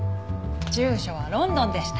住所はロンドンでした。